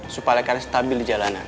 supaya karena stabil di jalanan